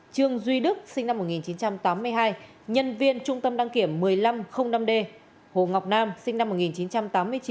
trương duy đức sinh năm một nghìn chín trăm tám mươi hai nhân viên trung tâm đăng kiểm một nghìn năm trăm linh năm d hồ ngọc nam sinh năm một nghìn chín trăm tám mươi chín